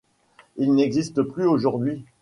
Ils n'existent plus aujourd'hui.